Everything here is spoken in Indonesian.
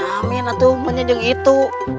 amin atuh menyejeng itu